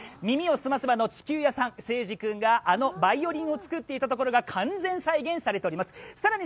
「耳をすませば」の地球屋さん、あのバイオリンを作っていたところが完全再現されております。